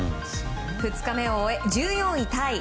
２日目を終え、１４位タイ。